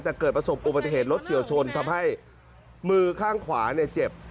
แต่เกิดประสบอุบัติเหตุรถเฉียวชนทำให้มือข้างขวาเนี่ยเจ็บ